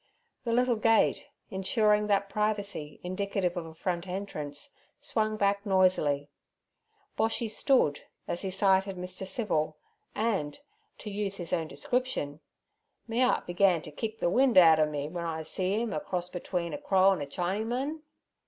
The little gate insuring that privacy indicative of a front entrance swung back noisily. Boshy stood, as he sighted Mr. Civil and—to use his own description—'me 'art began to kick ther wind out ov me w'en I see 'im, a cross between a crow an' a Chinyman.'